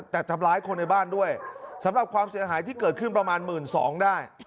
แต่ทำร้ายคนในบ้านด้วยสำหรับความเสียหายที่เกิดขึ้นประมาณหมื่นสองได้